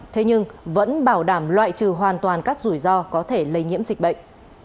thế nhưng vẫn bảo đảm loại trừ hoàn toàn các rủi ro có thể lây nhiễm dịch bệnh